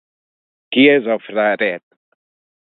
Qui és el Fraret?